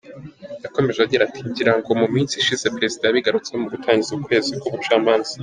Yakomeje agira ati: “Ngirango mu minsi ishize Perezida yabigarutseho mu gutangiza ukwezi kw’Ubucamanza.